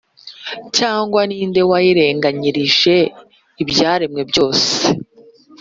cyangwa ni nde wayiringanirije ibyaremwe byose’